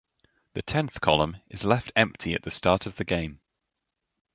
The tenth column is left empty at the start of the game.